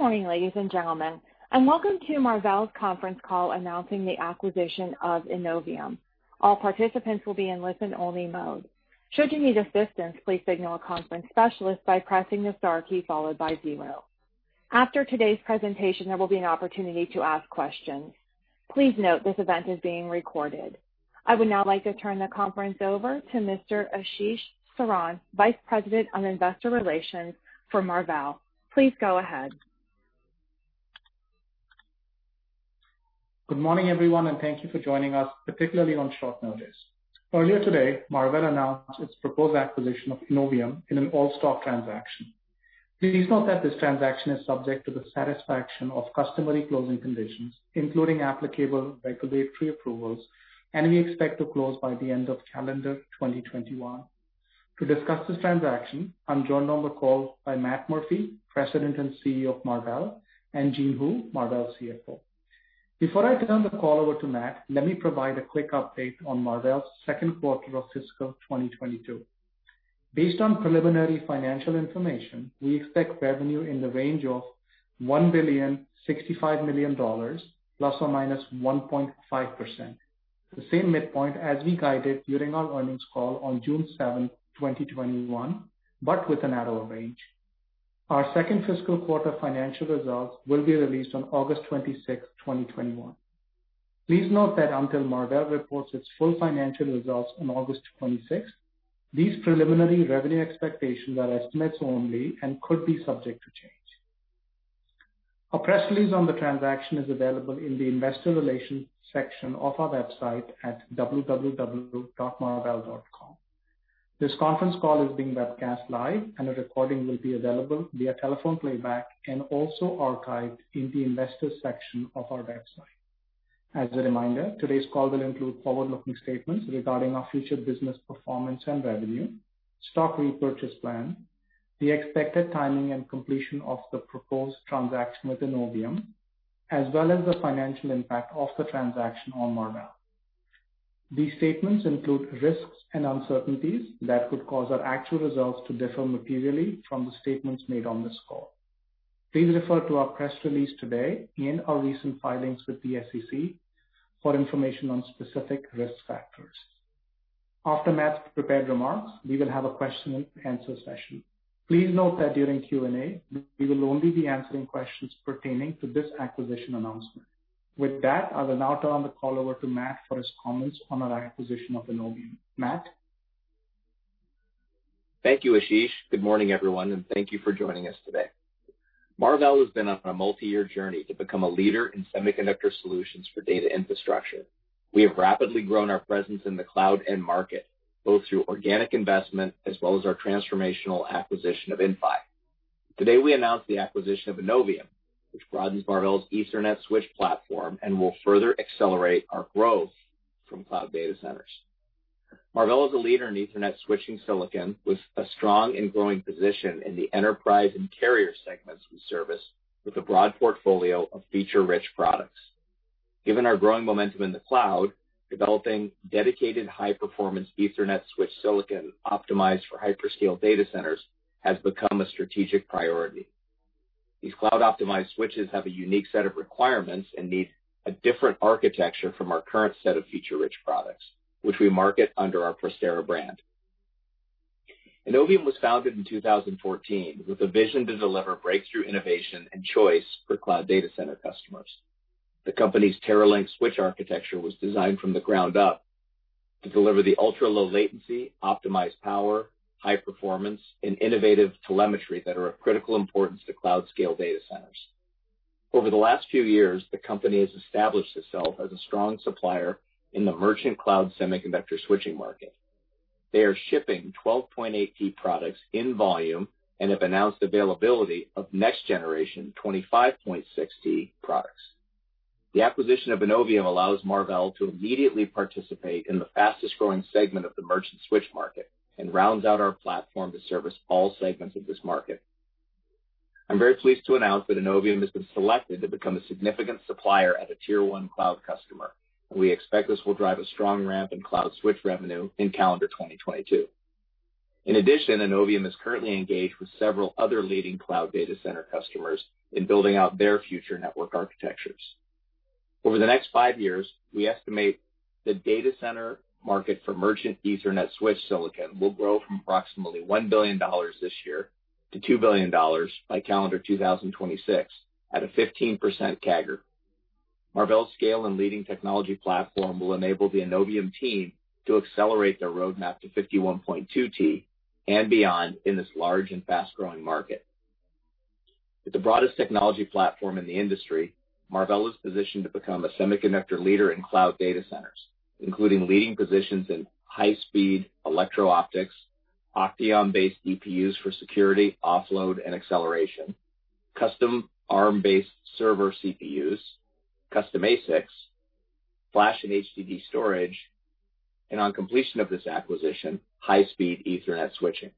Good morning, ladies and gentlemen, and welcome to Marvell's Conference Call Announcing the Acquisition of Innovium. All participants will be in listen-only mode. Should you need assistance, please signal a conference specialist by pressing the star key followed by 0. After today's presentation, there will be an opportunity to ask questions. Please note this event is being recorded. I would now like to turn the conference over to Mr. Ashish Saran, Vice President on Investor Relations for Marvell. Please go ahead. Good morning, everyone. Thank you for joining us, particularly on short notice. Earlier today, Marvell announced its proposed acquisition of Innovium in an all-stock transaction. Please note that this transaction is subject to the satisfaction of customary closing conditions, including applicable regulatory approvals, and we expect to close by the end of calendar 2021. To discuss this transaction, I'm joined on the call by Matt Murphy, President and CEO of Marvell, and Jean Hu, Marvell CFO. Before I turn the call over to Matt, let me provide a quick update on Marvell's second quarter of fiscal 2022. Based on preliminary financial information, we expect revenue in the range of $1,065,000,000 ±1.5%, the same midpoint as we guided during our earnings call on June 7th, 2021, but with a narrower range. Our second fiscal quarter financial results will be released on August 26th, 2021. Please note that until Marvell reports its full financial results on August 26th, these preliminary revenue expectations are estimates only and could be subject to change. A press release on the transaction is available in the investor relations section of our website at www.marvell.com. This conference call is being webcast live, and a recording will be available via telephone playback and also archived in the investors section of our website. As a reminder, today's call will include forward-looking statements regarding our future business performance and revenue, stock repurchase plan, the expected timing and completion of the proposed transaction with Innovium, as well as the financial impact of the transaction on Marvell. These statements include risks and uncertainties that could cause our actual results to differ materially from the statements made on this call. Please refer to our press release today and our recent filings with the SEC for information on specific risk factors. After Matt's prepared remarks, we will have a question and answer session. Please note that during Q&A, we will only be answering questions pertaining to this acquisition announcement. With that, I will now turn the call over to Matt for his comments on our acquisition of Innovium. Matt? Thank you, Ashish. Good morning, everyone, and thank you for joining us today. Marvell has been on a multi-year journey to become a leader in semiconductor solutions for data infrastructure. We have rapidly grown our presence in the cloud end market, both through organic investment as well as our transformational acquisition of Inphi. Today, we announce the acquisition of Innovium, which broadens Marvell's Ethernet switch platform and will further accelerate our growth from cloud data centers. Marvell is a leader in Ethernet switching silicon with a strong and growing position in the enterprise and carrier segments we service with a broad portfolio of feature rich products. Given our growing momentum in the cloud, developing dedicated high performance Ethernet switch silicon optimized for hyperscale data centers has become a strategic priority. These cloud optimized switches have a unique set of requirements and need a different architecture from our current set of feature rich products, which we market under our Prestera brand. Innovium was founded in 2014 with a vision to deliver breakthrough innovation and choice for cloud data center customers. The company's TERALYNX switch architecture was designed from the ground up to deliver the ultra-low latency, optimized power, high performance, and innovative telemetry that are of critical importance to cloud scale data centers. Over the last few years, the company has established itself as a strong supplier in the merchant cloud semiconductor switching market. They are shipping 12.8T products in volume and have announced availability of next generation 25.6T products. The acquisition of Innovium allows Marvell to immediately participate in the fastest growing segment of the merchant switch market and rounds out our platform to service all segments of this market. I'm very pleased to announce that Innovium has been selected to become a significant supplier at a Tier-1 cloud customer. We expect this will drive a strong ramp in cloud switch revenue in calendar 2022. In addition, Innovium is currently engaged with several other leading cloud data center customers in building out their future network architectures. Over the next five years, we estimate the data center market for merchant Ethernet switch silicon will grow from approximately $1 billion this year to $2 billion by calendar 2026 at a 15% CAGR. Marvell's scale and leading technology platform will enable the Innovium team to accelerate their roadmap to 51.2T and beyond in this large and fast-growing market. With the broadest technology platform in the industry, Marvell is positioned to become a semiconductor leader in cloud data centers, including leading positions in high-speed electro-optics, OCTEON-based DPUs for security, offload, and acceleration, custom Arm-based server CPUs, custom ASICs, flash and HDD storage, and on completion of this acquisition, high speed Ethernet switching.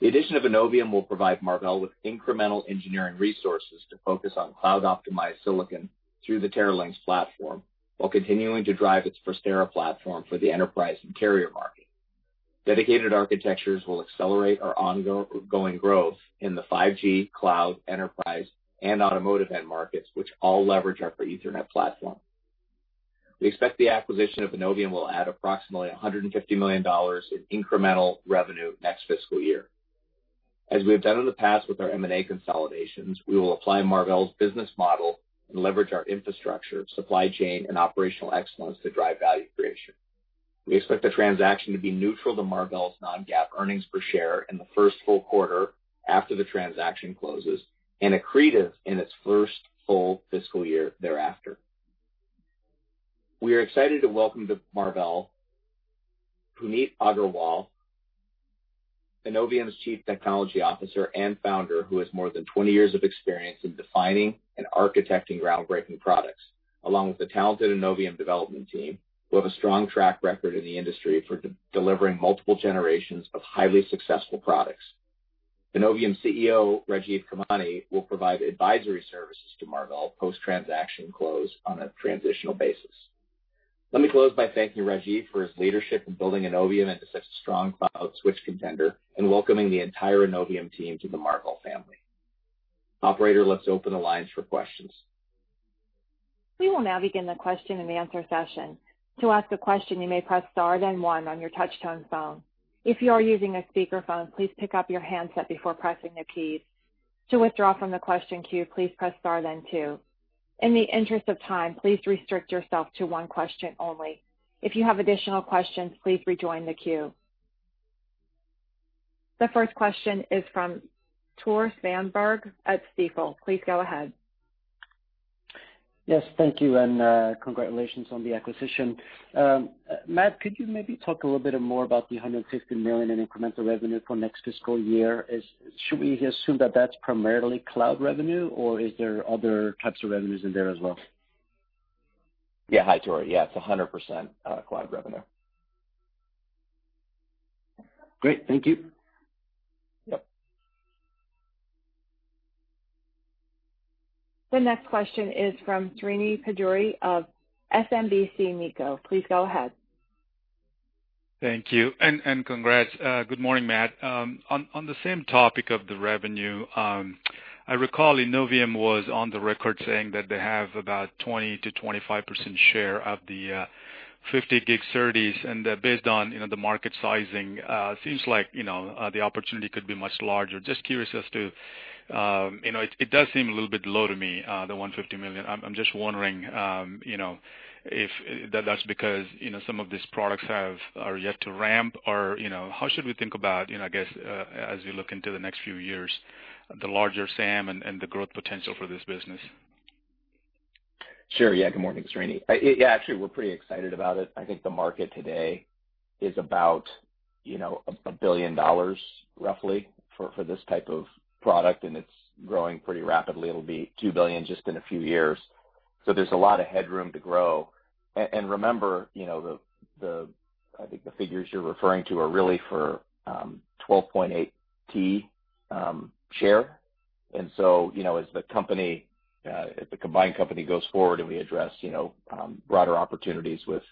The addition of Innovium will provide Marvell with incremental engineering resources to focus on cloud optimized silicon through the TERALYNX platform while continuing to drive its Prestera platform for the enterprise and carrier market. Dedicated architectures will accelerate our ongoing growth in the 5G, cloud, enterprise, and automotive end markets, which all leverage our Ethernet platform. We expect the acquisition of Innovium will add approximately $150 million in incremental revenue next fiscal year. As we have done in the past with our M&A consolidations, we will apply Marvell's business model and leverage our infrastructure, supply chain, and operational excellence to drive value creation. We expect the transaction to be neutral to Marvell's non-GAAP earnings per share in the first full quarter after the transaction closes, and accretive in its first full fiscal year thereafter. We are excited to welcome to Marvell, Puneet Agarwal, Innovium's Chief Technology Officer and founder, who has more than 20 years of experience in defining and architecting groundbreaking products, along with the talented Innovium development team, who have a strong track record in the industry for delivering multiple generations of highly successful products. Innovium CEO, Rajiv Khemani, will provide advisory services to Marvell post-transaction close on a transitional basis. Let me close by thanking Rajiv for his leadership in building Innovium into such a strong cloud switch contender and welcoming the entire Innovium team to the Marvell family. Operator, let's open the lines for questions. We will now begin the question and answer session. To ask a question, you may press star then one on your touchtone phone. If you are using a speaker phone, please pick up your handset before pressing the keys. To withdraw from the question queue, please press star then two. In the interest of time, please restrict yourself to one question only. If you have additional questions, please rejoin the queue. The first question is from Tore Svanberg at Stifel. Please go ahead. Yes. Thank you. Congratulations on the acquisition. Matt, could you maybe talk a little bit more about the $150 million in incremental revenue for next fiscal year? Should we assume that that's primarily cloud revenue, or are there other types of revenues in there as well? Yeah. Hi, Tore. Yeah, it's 100% cloud revenue. Great. Thank you. Yep. The next question is from Srini Pajjuri of SMBC Nikko. Please go ahead. Thank you and congrats. Good morning, Matt. On the same topic of the revenue, I recall Innovium was on the record saying that they have about 20%-25% share of the 50G SerDes, and based on the market sizing, seems like the opportunity could be much larger. Just curious as to, it does seem a little bit low to me, the $150 million. I'm just wondering if that's because some of these products are yet to ramp or how should we think about, I guess, as we look into the next few years, the larger SAM and the growth potential for this business. Sure. Good morning, Srini. Yeah, actually, we're pretty excited about it. I think the market today is about $1 billion roughly for this type of product, and it's growing pretty rapidly. It'll be $2 billion just in a few years. There's a lot of headroom to grow. Remember, I think the figures you're referring to are really for 12.8T share. As the combined company goes forward and we address broader opportunities with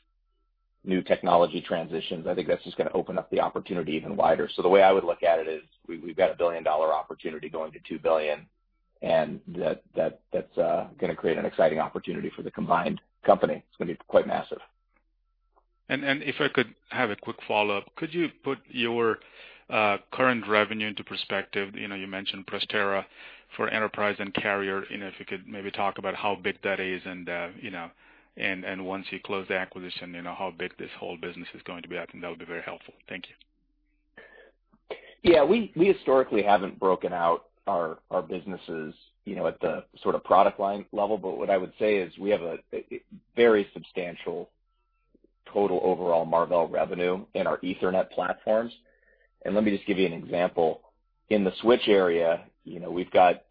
new technology transitions, I think that's just going to open up the opportunity even wider. The way I would look at it is we've got a billion-dollar opportunity going to $2 billion. That's going to create an exciting opportunity for the combined company. It's going to be quite massive. If I could have a quick follow-up, could you put your current revenue into perspective? You mentioned Prestera for enterprise and carrier. You could maybe talk about how big that is and once you close the acquisition, how big this whole business is going to be. I think that would be very helpful. Thank you. Yeah, we historically haven't broken out our businesses at the sort of product line level. What I would say is we have a very substantial total overall Marvell revenue in our Ethernet platforms. Let me just give you an example. In the switch area, we've got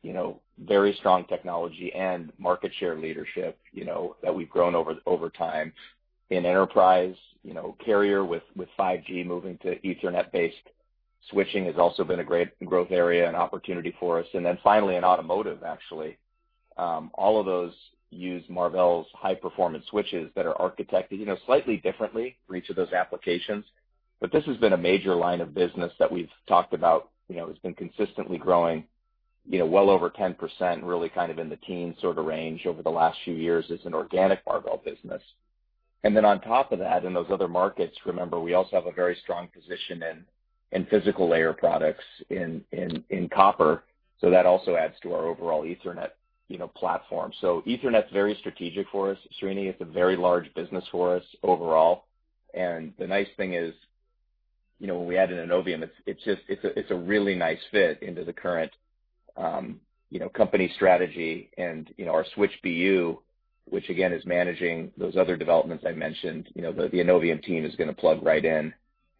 very strong technology and market share leadership that we've grown over time. In enterprise, carrier with 5G moving to Ethernet-based switching has also been a great growth area and opportunity for us. Finally in automotive, actually, all of those use Marvell's high-performance switches that are architected slightly differently for each of those applications. This has been a major line of business that we've talked about, has been consistently growing well over 10%, really kind of in the teen sort of range over the last few years as an organic Marvell business. And then on top of that, in those other markets, remember, we also have a very strong position in physical layer products in copper. That also adds to our overall Ethernet platform. Ethernet's very strategic for us, Srini. It's a very large business for us overall. The nice thing is, when we added Innovium, it's a really nice fit into the current company strategy and our switch BU, which again is managing those other developments I mentioned. The Innovium team is going to plug right in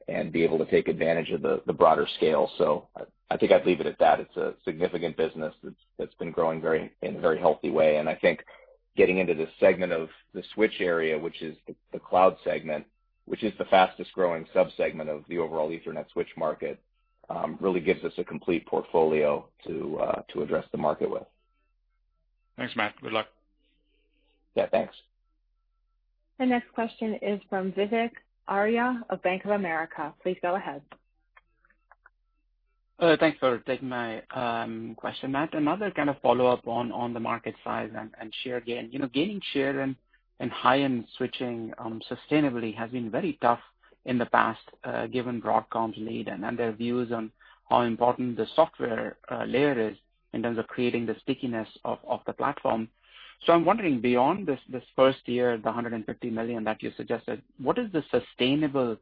and be able to take advantage of the broader scale. I think I'd leave it at that. It's a significant business that's been growing in a very healthy way. I think getting into this segment of the switch area, which is the cloud segment, which is the fastest-growing subsegment of the overall Ethernet switch market, really gives us a complete portfolio to address the market with. Thanks, Matt. Good luck. Yeah, thanks. The next question is from Vivek Arya of Bank of America. Please go ahead. Thanks for taking my question, Matt. Another kind of follow-up on the market size and share gain. Gaining share and high-end switching sustainably has been very tough in the past, given Broadcom's lead and their views on how important the software layer is in terms of creating the stickiness of the platform. I'm wondering, beyond this first year, the $150 million that you suggested, what is the sustainable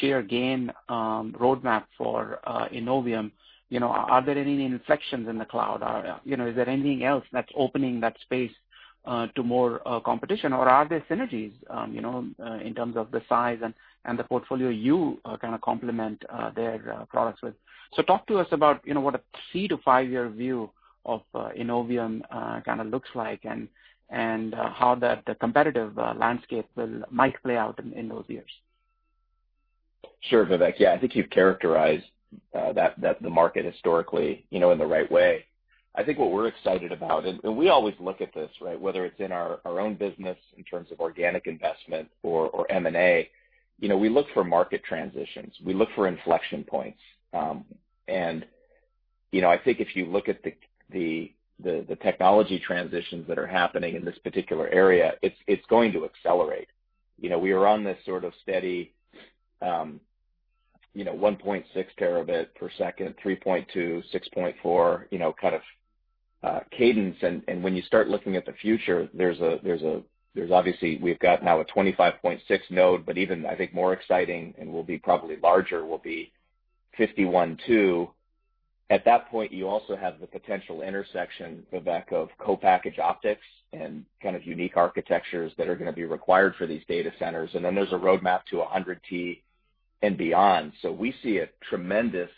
share gain roadmap for Innovium? Are there any inflections in the Cloud? Is there anything else that's opening that space to more competition? Or are there synergies in terms of the size and the portfolio you kind of complement their products with? Talk to us about what a 3-5 year view of Innovium kind of looks like and how that competitive landscape might play out in those years. Sure, Vivek. Yeah, I think you've characterized the market historically in the right way. I think what we're excited about, and we always look at this, right, whether it's in our own business in terms of organic investment or M&A, we look for market transitions. We look for inflection points. I think if you look at the technology transitions that are happening in this particular area, it's going to accelerate. We are on this sort of steady 1.6 Tbps, 3.2 Tbps, 6.4 Tbps, kind of cadence. When you start looking at the future, there's obviously we've got now a 25.6 node, but even I think more exciting and will be probably larger will be 51.2T. At that point, you also have the potential intersection, Vivek, of co-packaged optics and kind of unique architectures that are going to be required for these data centers. There's a roadmap to 100T and beyond. We see a tremendous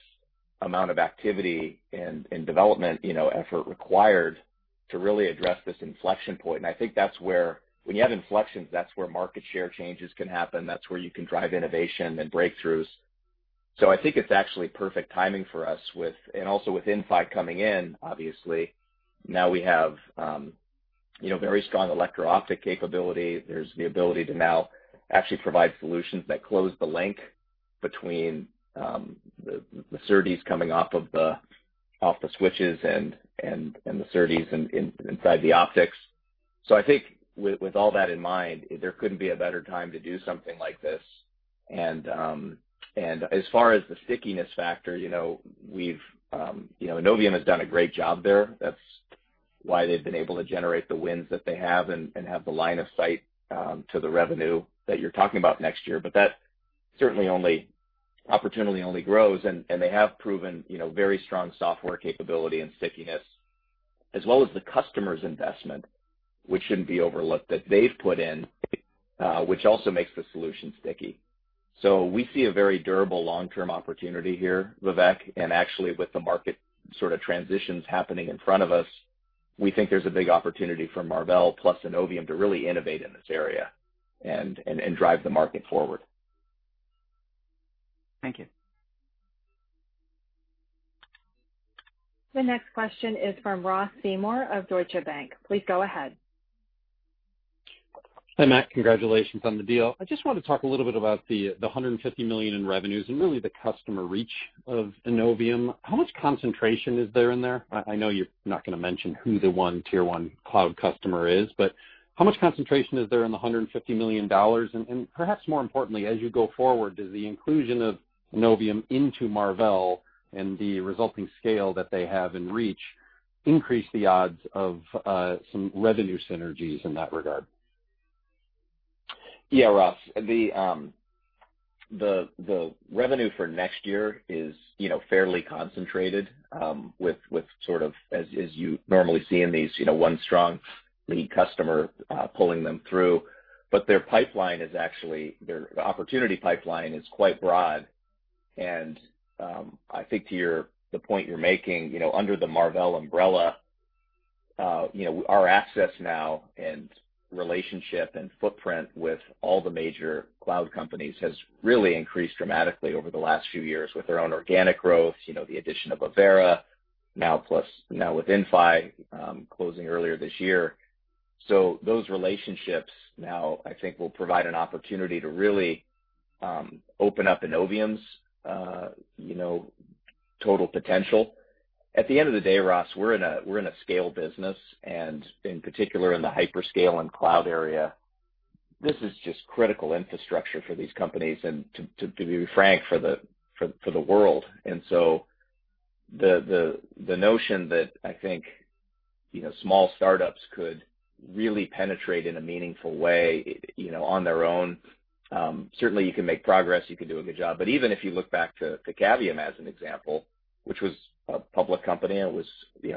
amount of activity and development effort required to really address this inflection point. I think when you have inflections, that's where market share changes can happen. That's where you can drive innovation and breakthroughs. I think it's actually perfect timing for us with and also with Inphi coming in, obviously. Now we have very strong electro-optic capability. There's the ability to now actually provide solutions that close the link between the SerDes coming off of the switches and the SerDes inside the optics. I think with all that in mind, there couldn't be a better time to do something like this. As far as the stickiness factor, Innovium has done a great job there. That's why they've been able to generate the wins that they have and have the line of sight to the revenue that you're talking about next year. That certainly only opportunely only grows, and they have proven very strong software capability and stickiness. As well as the customer's investment, which shouldn't be overlooked, that they've put in, which also makes the solution sticky. We see a very durable long-term opportunity here, Vivek. Actually, with the market sort of transitions happening in front of us, we think there's a big opportunity for Marvell plus Innovium to really innovate in this area and drive the market forward. Thank you. The next question is from Ross Seymore of Deutsche Bank. Please go ahead. Hey, Matt. Congratulations on the deal. I just want to talk a little bit about the $150 million in revenues and really the customer reach of Innovium. How much concentration is there in there? I know you're not going to mention who the one Tier-1 cloud customer is, but how much concentration is there in the $150 million? Perhaps more importantly, as you go forward, does the inclusion of Innovium into Marvell and the resulting scale that they have in reach increase the odds of some revenue synergies in that regard? Yeah, Ross. The revenue for next year is fairly concentrated with sort of as you normally see in these one strong lead customer pulling them through. Their opportunity pipeline is quite broad, and I think to the point you're making, under the Marvell umbrella, our access now and relationship and footprint with all the major cloud companies has really increased dramatically over the last few years with our own organic growth, the addition of Avera, now with Inphi closing earlier this year. Those relationships now, I think, will provide an opportunity to really open up Innovium's total potential. At the end of the day, Ross, we're in a scale business, and in particular in the hyperscale and cloud area, this is just critical infrastructure for these companies and to be frank, for the world. The notion that I think small startups could really penetrate in a meaningful way on their own. Certainly, you can make progress, you can do a good job. But even if you look back to Cavium as an example, which was a public company, and it was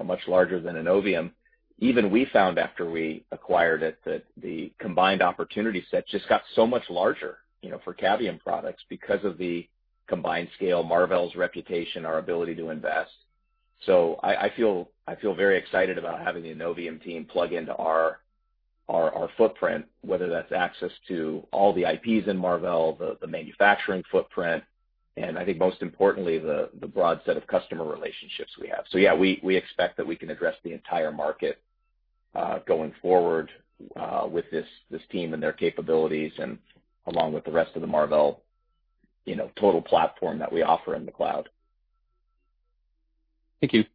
much larger than Innovium. Even we found after we acquired it that the combined opportunity set just got so much larger for Cavium products because of the combined scale, Marvell's reputation, our ability to invest. I feel very excited about having the Innovium team plug into our footprint, whether that's access to all the IPs in Marvell, the manufacturing footprint, and I think most importantly, the broad set of customer relationships we have. Yeah, we expect that we can address the entire market, going forward with this team and their capabilities and along with the rest of the Marvell total platform that we offer in the cloud. Thank you.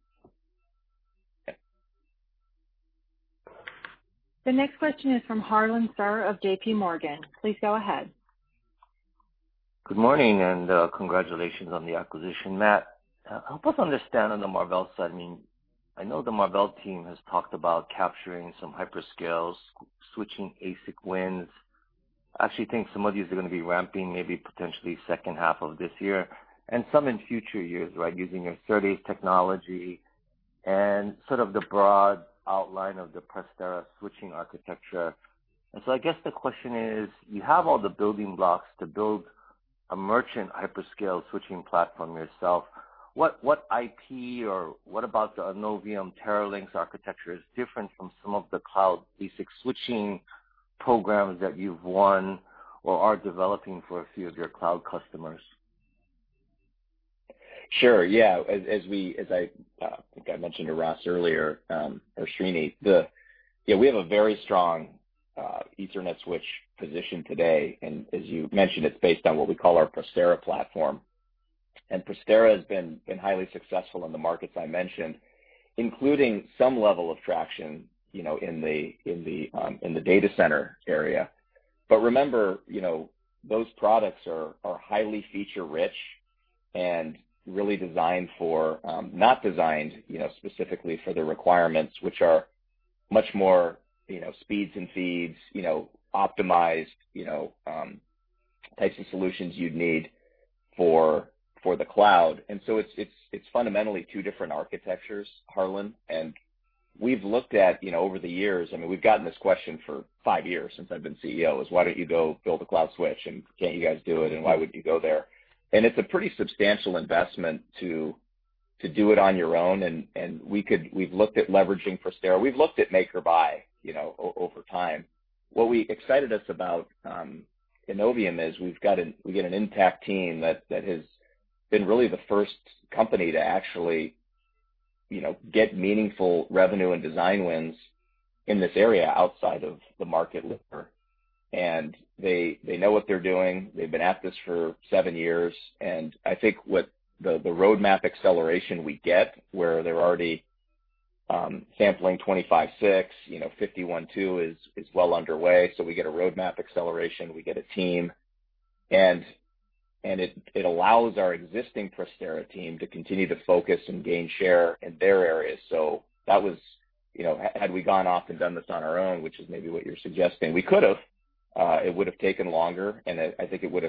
The next question is from Harlan Sur of JPMorgan. Please go ahead. Good morning. Congratulations on the acquisition. Matt, help us understand on the Marvell side, I know the Marvell team has talked about capturing some hyperscale switching ASIC wins. I actually think some of these are going to be ramping, maybe potentially second half of this year and some in future years, right? Using your SerDes technology and sort of the broad outline of the Prestera switching architecture, I guess the question is, you have all the building blocks to build a merchant hyperscale switching platform yourself. What IP or what about the Innovium TERALYNX architecture is different from some of the cloud basic switching programs that you've won or are developing for a few of your cloud customers? Sure. Yeah. As I think I mentioned to Ross earlier, or Srini, we have a very strong Ethernet switch position today, and as you mentioned, it's based on what we call our Prestera platform. Prestera has been highly successful in the markets I mentioned, including some level of traction in the data center area. Remember, those products are highly feature-rich and really not designed specifically for the requirements, which are much more speeds and feeds, optimized types of solutions you'd need for the cloud. So it's fundamentally two different architectures, Harlan. We've looked at, over the years, we've gotten this question for five years, since I've been CEO, is, "Why don't you go build a cloud switch, and can't you guys do it, and why would you go there?" It's a pretty substantial investment to do it on your own. We've looked at leveraging Prestera. We've looked at make or buy over time. What excited us about Innovium is we get an intact team that has been really the first company to actually get meaningful revenue and design wins in this area outside of the market leader. They know what they're doing. They've been at this for seven years, and I think what the roadmap acceleration we get, where they're already sampling 25.6T, 51.2T is well underway. We get a roadmap acceleration, we get a team, and it allows our existing Prestera team to continue to focus and gain share in their areas. Had we gone off and done this on our own, which is maybe what you're suggesting, we could have, it would have taken longer, and I think it would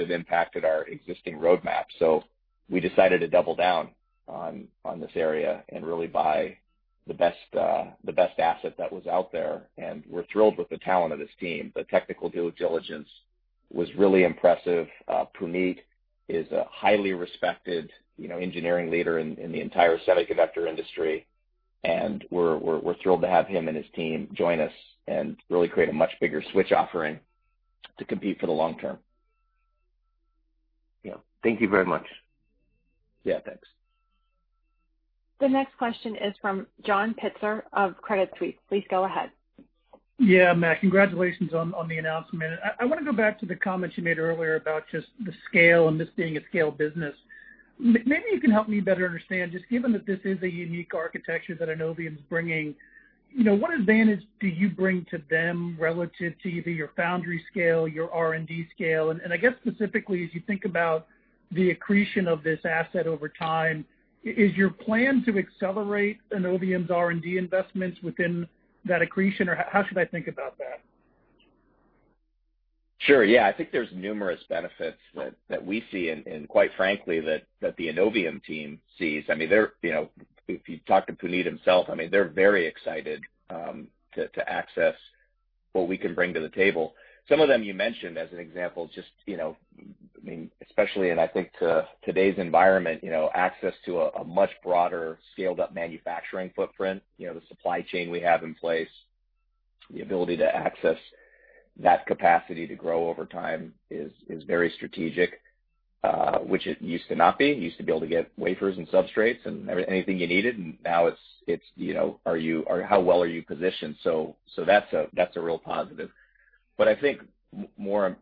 have impacted our existing roadmap. We decided to double down on this area and really buy the best asset that was out there. We're thrilled with the talent of this team. The technical due diligence was really impressive. Puneet is a highly respected engineering leader in the entire semiconductor industry, and we're thrilled to have him and his team join us and really create a much bigger switch offering to compete for the long term. Thank you very much. Yeah. Thanks. The next question is from John Pitzer of Credit Suisse. Please go ahead. Yeah. Matt, congratulations on the announcement. I want to go back to the comments you made earlier about just the scale and this being a scale business. Maybe you can help me better understand, just given that this is a unique architecture that Innovium is bringing, what advantage do you bring to them relative to either your foundry scale, your R&D scale? I guess specifically, as you think about the accretion of this asset over time, is your plan to accelerate Innovium's R&D investments within that accretion, or how should I think about that? Sure. Yeah. I think there's numerous benefits that we see and quite frankly, that the Innovium team sees. If you talk to Puneet himself, they're very excited to access what we can bring to the table. Some of them you mentioned as an example, especially in, I think today's environment, access to a much broader scaled-up manufacturing footprint. The supply chain we have in place, the ability to access that capacity to grow over time is very strategic, which it used to not be. You used to be able to get wafers and substrates and anything you needed, and now it's how well are you positioned? So that's a real positive. But I think more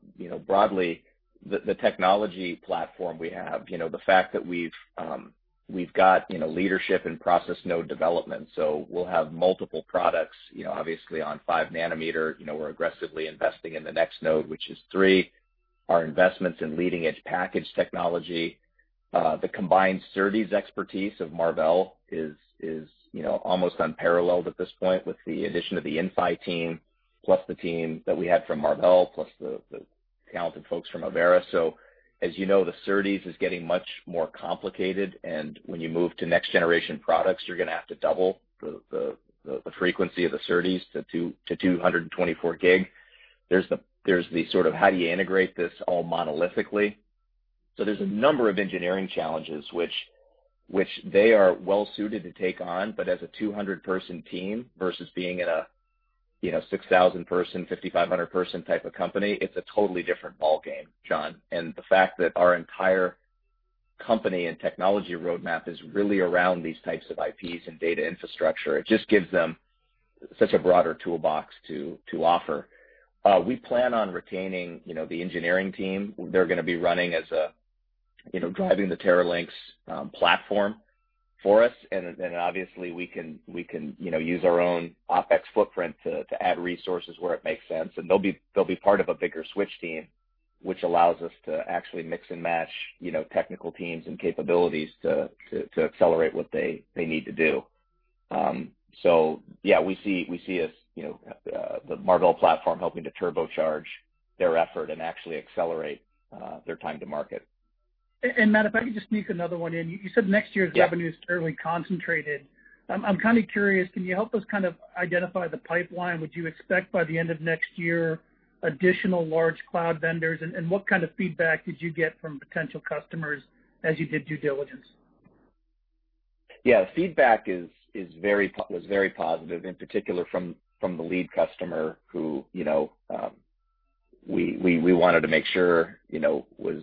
broadly, the technology platform we have, the fact that we've got leadership in process node development. So we'll have multiple products, obviously on 5 nm. We're aggressively investing in the next node, which is 3. Our investments in leading-edge package technology. The combined SerDes expertise of Marvell is almost unparalleled at this point with the addition of the Inphi team, plus the team that we had from Marvell, plus the talented folks from Avera. As you know, the SerDes is getting much more complicated, and when you move to next generation products, you're going to have to double the frequency of the SerDes to 224G. There's the sort of how do you integrate this all monolithically? There's a number of engineering challenges which they are well-suited to take on, but as a 200-person team versus being in a 6,000-person, 5,500-person type of company, it's a totally different ball game, John. The fact that our entire company and technology roadmap is really around these types of IPs and data infrastructure, it just gives them such a broader toolbox to offer. We plan on retaining the engineering team. They're going to be driving the TERALYNX platform for us, and then obviously we can use our own OpEx footprint to add resources where it makes sense. They'll be part of a bigger switch team, which allows us to actually mix and match technical teams and capabilities to accelerate what they need to do. Yeah, we see the Marvell platform helping to turbocharge their effort and actually accelerate their time to market. Matt, if I could just sneak another one in. You said next year's revenue is fairly concentrated. I'm kind of curious, can you help us kind of identify the pipeline? Would you expect by the end of next year, additional large cloud vendors, and what kind of feedback did you get from potential customers as you did due diligence? Yeah. Feedback was very positive, in particular from the lead customer, who we wanted to make sure was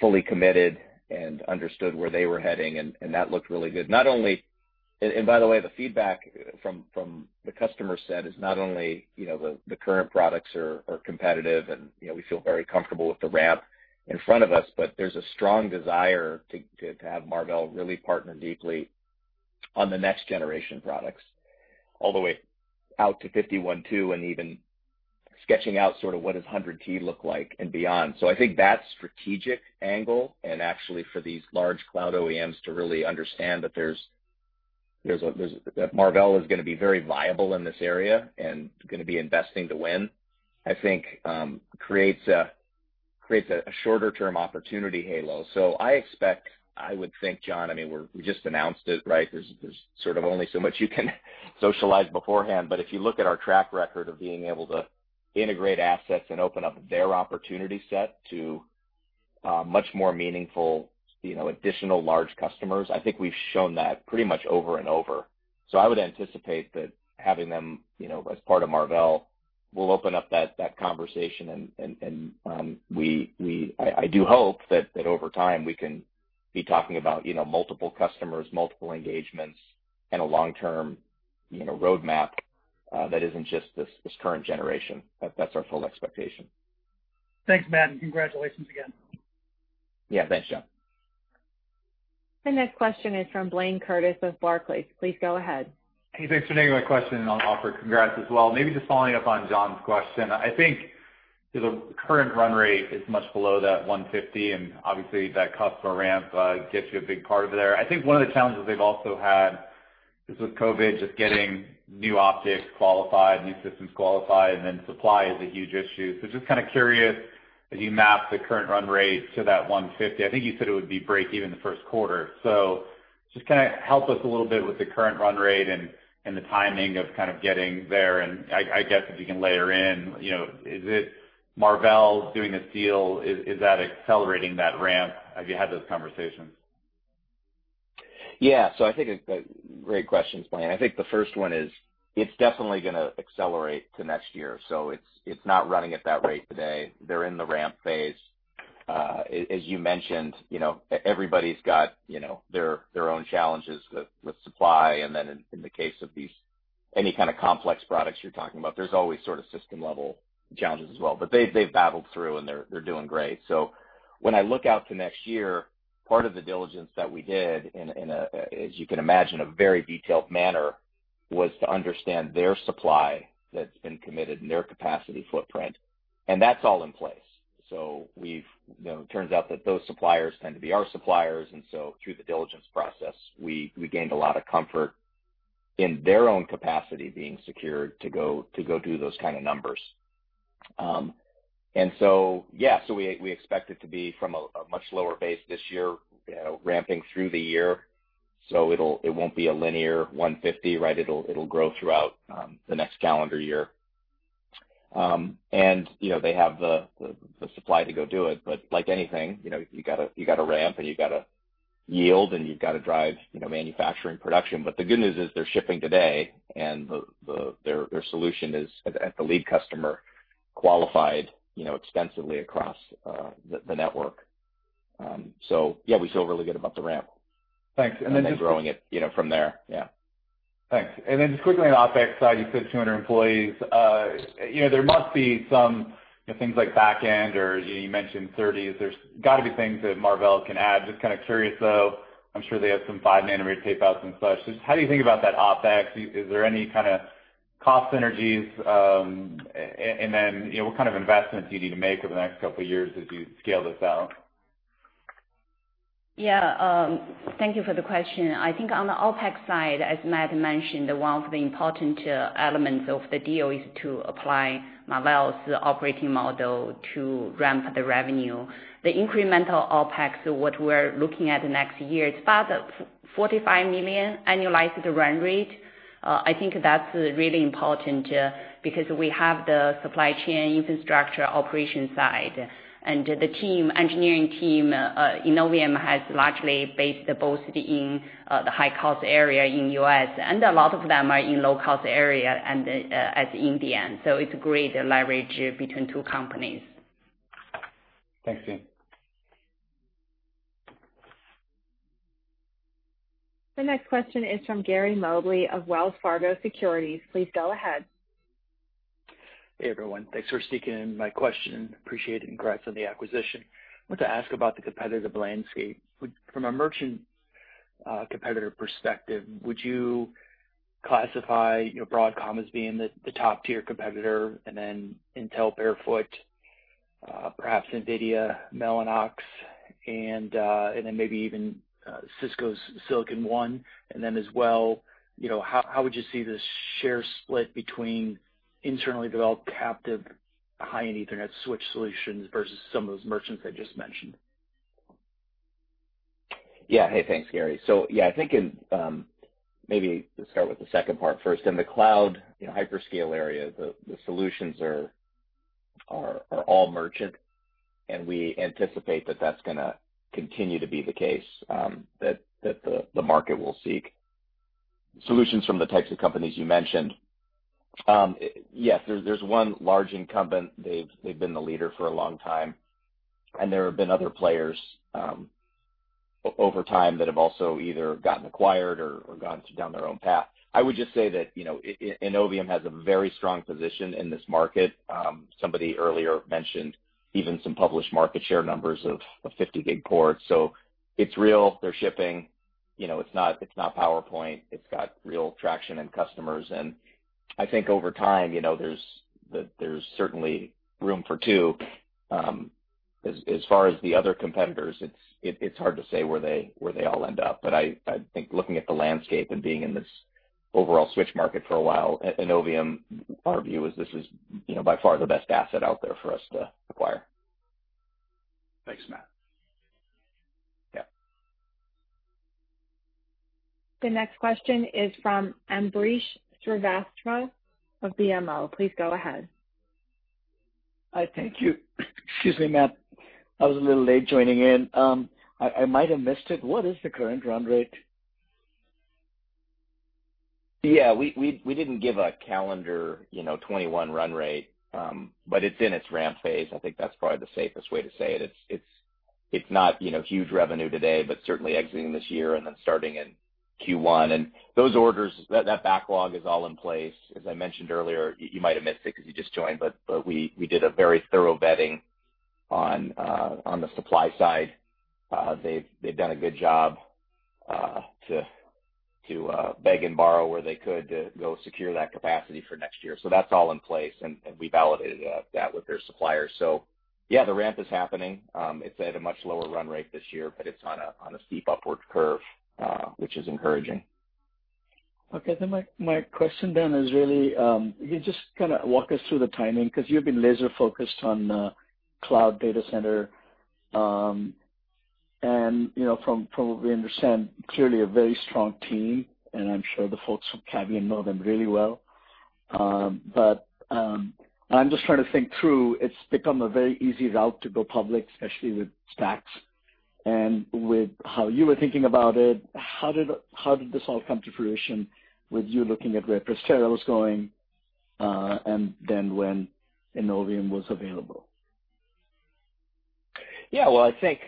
fully committed and understood where they were heading, and that looked really good. By the way, the feedback from the customer set is not only the current products are competitive and we feel very comfortable with the ramp in front of us, but there's a strong desire to have Marvell really partner deeply on the next generation products all the way out to 51.2T and even sketching out sort of what does 100T look like and beyond. I think that strategic angle, and actually for these large cloud OEMs to really understand that Marvell is going to be very viable in this area and going to be investing to win, I think creates a shorter-term opportunity halo. I expect, I would think, John, we just announced it, right? There's sort of only so much you can socialize beforehand. If you look at our track record of being able to integrate assets and open up their opportunity set to much more meaningful additional large customers, I think we've shown that pretty much over and over. I would anticipate that having them as part of Marvell will open up that conversation, and I do hope that over time we can be talking about multiple customers, multiple engagements and a long-term roadmap that isn't just this current generation. That's our full expectation. Thanks, Matt, and congratulations again. Yeah. Thanks, John. The next question is from Blayne Curtis of Barclays. Please go ahead. Hey, thanks for taking my question, and I'll offer congrats as well. Maybe just following up on John's question. I think the current run rate is much below that $150 million, and obviously that customer ramp gets you a big part of it there. I think one of the challenges they've also had is with COVID, just getting new optics qualified, new systems qualified, and then supply is a huge issue. Just kind of curious as you map the current run rate to that $150 million, I think you said it would be breakeven the first quarter. Just kind of help us a little bit with the current run rate and the timing of kind of getting there and I guess if you can layer in, is it Marvell doing this deal, is that accelerating that ramp? Have you had those conversations? I think great questions, Blayne. I think the first one is it's definitely going to accelerate to next year. It's not running at that rate today. They're in the ramp phase. As you mentioned, everybody's got their own challenges with supply, and then in the case of any kind of complex products you're talking about, there's always sort of system level challenges as well. They've battled through, and they're doing great. When I look out to next year, part of the diligence that we did in, as you can imagine, a very detailed manner, was to understand their supply that's been committed and their capacity footprint, and that's all in place. It turns out that those suppliers tend to be our suppliers, and so through the diligence process, we gained a lot of comfort in their own capacity being secured to go do those kind of numbers. Yeah, we expect it to be from a much lower base this year, ramping through the year. It won't be a linear $150 million, right? It'll grow throughout the next calendar year. They have the supply to go do it. Like anything, you got to ramp and you got to yield and you've got to drive manufacturing production. The good news is they're shipping today and their solution is at the lead customer qualified extensively across the network. Yeah, we feel really good about the ramp. Thanks. Growing it from there. Yeah. Thanks. Just quickly on OpEx side, you said 200 employees. There must be some things like back end or you mentioned 30s. There's got to be things that Marvell can add. Just kind of curious, though, I'm sure they have some 5 nm tape-outs and such. Just how do you think about that OpEx? Is there any kind of cost synergies? Then what kind of investments do you need to make over the next couple of years as you scale this out? Yeah. Thank you for the question. I think on the OpEx side, as Matt mentioned, one of the important elements of the deal is to apply Marvell's operating model to ramp the revenue. The incremental OpEx, what we're looking at next year is about $45 million annualized run rate. I think that's really important, because we have the supply chain infrastructure operation side, and the engineering team, Innovium has largely based both in the high-cost area in U.S., and a lot of them are in low-cost area as India. It's great leverage between two companies. Thanks, Jean. The next question is from Gary Mobley of Wells Fargo Securities. Please go ahead. Hey, everyone. Thanks for sneaking in my question. Appreciate it, and congrats on the acquisition. I want to ask about the competitive landscape. From a merchant competitor perspective, would you classify Broadcom as being the top-tier competitor and then Intel, Barefoot, perhaps NVIDIA, Mellanox, and then maybe even Cisco's Silicon One? Then as well, how would you see the share split between internally developed captive high-end Ethernet switch solutions versus some of those merchants I just mentioned? Yeah. Hey, thanks, Gary. Yeah, I think maybe let's start with the second part first. In the cloud hyperscale area, the solutions are all merchant, and we anticipate that that's going to continue to be the case that the market will seek solutions from the types of companies you mentioned. Yes, there's 1 large incumbent. They've been the leader for a long time, and there have been other players over time that have also either gotten acquired or gone down their own path. I would just say that Innovium has a very strong position in this market. Somebody earlier mentioned even some published market share numbers of 50 Gig ports. It's real. They're shipping. It's not PowerPoint. It's got real traction and customers, and I think over time, there's certainly room for two. As far as the other competitors, it's hard to say where they all end up. I think looking at the landscape and being in this overall switch market for a while, Innovium, our view is this is by far the best asset out there for us to acquire. Thanks, Matt. Yeah. The next question is from Ambrish Srivastava of BMO. Please go ahead. Thank you. Excuse me, Matt. I was a little late joining in. I might have missed it. What is the current run rate? Yeah, we didn't give a calendar 2021 run rate, but it's in its ramp phase. I think that's probably the safest way to say it. It's not huge revenue today, but certainly exiting this year and then starting in Q1. Those orders, that backlog is all in place. As I mentioned earlier, you might have missed it because you just joined, but we did a very thorough vetting on the supply side. They've done a good job to beg and borrow where they could to go secure that capacity for next year. That's all in place, and we validated that with their suppliers. Yeah, the ramp is happening. It's at a much lower run rate this year, but it's on a steep upward curve, which is encouraging. Okay, then my question then is really, can you just walk us through the timing? You've been laser-focused on cloud data center, and from what we understand, clearly a very strong team, and I'm sure the folks from Cavium know them really well. I'm just trying to think through, it's become a very easy route to go public, especially with SPACs and with how you were thinking about it. How did this all come to fruition with you looking at where Prestera was going and then when Innovium was available? Yeah. Well, I think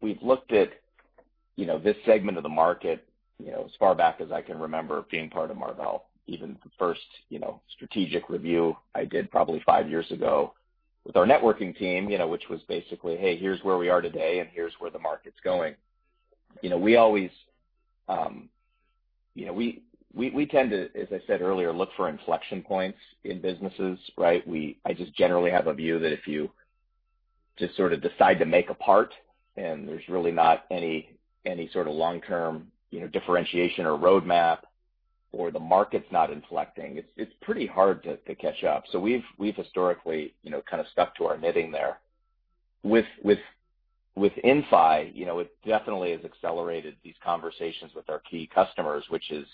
we've looked at this segment of the market as far back as I can remember being part of Marvell. Even the first strategic review I did probably five years ago with our networking team, which was basically, "Hey, here's where we are today, and here's where the market's going." We tend to, as I said earlier, look for inflection points in businesses, right? I just generally have a view that if you just sort of decide to make a part and there's really not any sort of long-term differentiation or roadmap or the market's not inflecting, it's pretty hard to catch up. We've historically kind of stuck to our knitting there. With Inphi, it definitely has accelerated these conversations with our key customers, which is,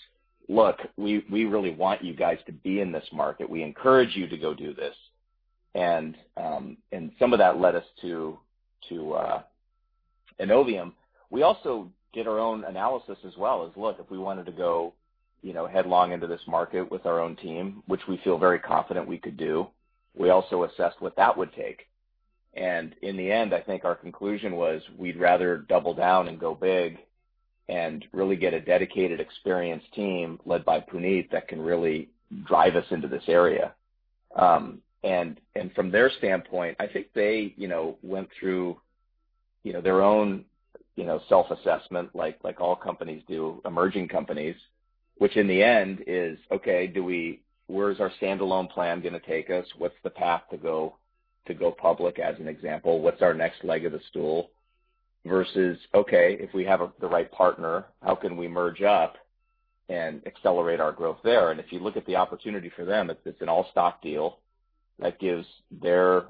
"Look, we really want you guys to be in this market. We encourage you to go do this." Some of that led us to Innovium. We also did our own analysis as well as, look, if we wanted to go headlong into this market with our own team, which we feel very confident we could do, we also assessed what that would take. In the end, I think our conclusion was we'd rather double down and go big and really get a dedicated, experienced team led by Puneet that can really drive us into this area. From their standpoint, I think they went through their own self-assessment, like all companies do, emerging companies, which in the end is, okay, where is our standalone plan going to take us? What's the path to go public, as an example? What's our next leg of the stool? Versus, okay, if we have the right partner, how can we merge up and accelerate our growth there? If you look at the opportunity for them, it's an all-stock deal that gives their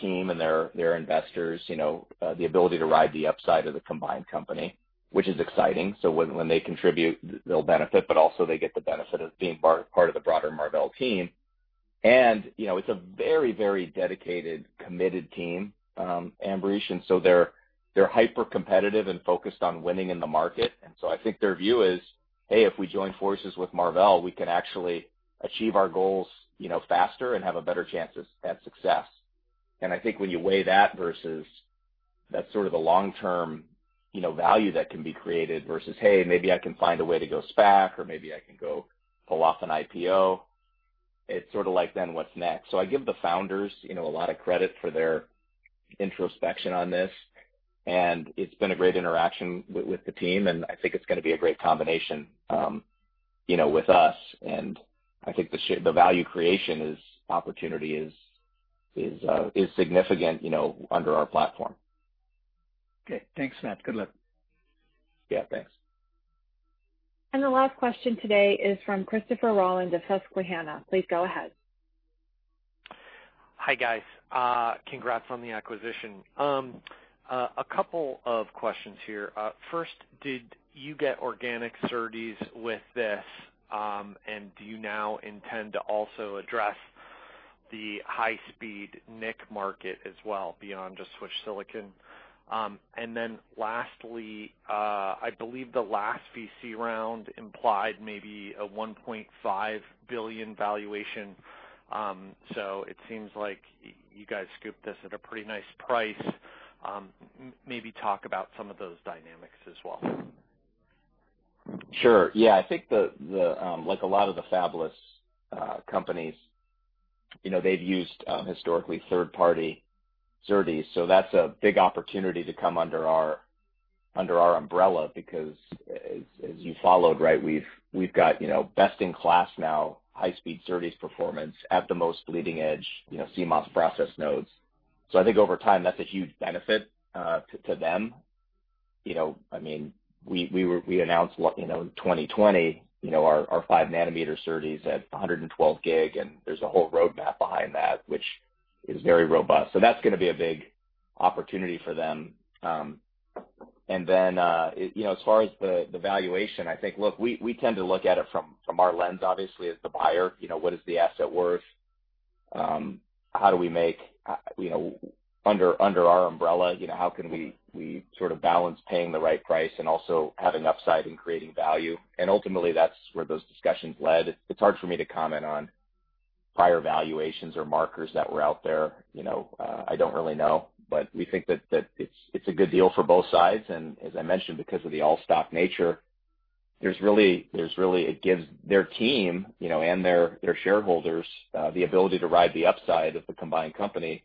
team and their investors the ability to ride the upside of the combined company, which is exciting. When they contribute, they'll benefit, but also they get the benefit of being part of the broader Marvell team. It's a very dedicated, committed team, Ambrish, They're hyper-competitive and focused on winning in the market. I think their view is, "Hey, if we join forces with Marvell, we can actually achieve our goals faster and have a better chance at success." I think when you weigh that versus that sort of the long-term value that can be created versus, "Hey, maybe I can find a way to go SPAC, or maybe I can go pull off an IPO." It's sort of like then what's next? I give the founders a lot of credit for their introspection on this, and it's been a great interaction with the team, and I think it's going to be a great combination with us. I think the value creation opportunity is significant under our platform. Okay. Thanks, Matt. Good luck. Yeah, thanks. The last question today is from Christopher Rolland of Susquehanna. Please go ahead. Hi, guys. Congrats on the acquisition. A couple of questions here. First, did you get organic SerDes with this? Do you now intend to also address the high-speed NIC market as well beyond just switch silicon? Lastly, I believe the last VC round implied maybe a $1.5 billion valuation. It seems like you guys scooped this at a pretty nice price. Maybe talk about some of those dynamics as well. Sure. I think like a lot of the fabless companies, they've used historically third-party SerDes, that's a big opportunity to come under our umbrella because as you followed, right, we've got best-in-class now high-speed SerDes performance at the most leading-edge CMOS process nodes. I think over time, that's a huge benefit to them. We announced in 2020 our 5 nm SerDes at 112 Gbps, there's a whole roadmap behind that, which is very robust. That's going to be a big opportunity for them. As far as the valuation, I think, look, we tend to look at it from our lens, obviously, as the buyer. What is the asset worth? Under our umbrella, how can we sort of balance paying the right price and also having upside and creating value? Ultimately, that's where those discussions led. It's hard for me to comment on prior valuations or markers that were out there. I don't really know. We think that it's a good deal for both sides. As I mentioned, because of the all-stock nature, it gives their team and their shareholders the ability to ride the upside of the combined company.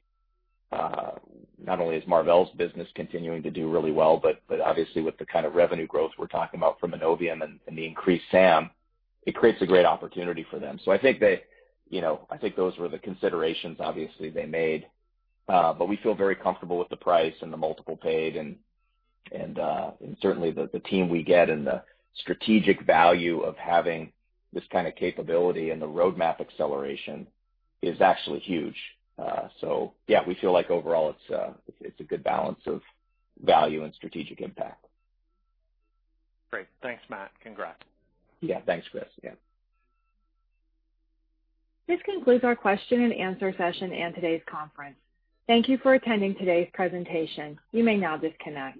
Not only is Marvell's business continuing to do really well, but obviously with the kind of revenue growth we're talking about from Innovium and the increased SAM, it creates a great opportunity for them. I think those were the considerations, obviously, they made. We feel very comfortable with the price and the multiple paid and certainly the team we get and the strategic value of having this kind of capability and the roadmap acceleration is actually huge. We feel like overall it's a good balance of value and strategic impact. Great. Thanks, Matt. Congrats. Yeah. Thanks, Chris. Yeah. This concludes our question and answer session and today's conference. Thank you for attending today's presentation. You may now disconnect.